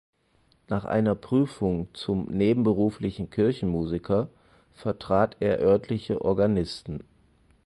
Nach einer Prüfung zum „nebenberuflichen Kirchenmusiker“ vertrat er örtliche Organisten.